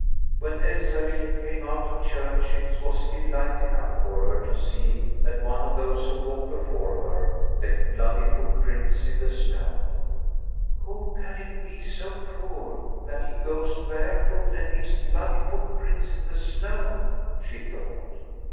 When Elsalill came out of church it was still light enough for her to see that one of those who walked before her left bloody footprints in the snow. "Who can it be so poor that he goes barefoot and leaves bloody footprints in the snow?" she thought.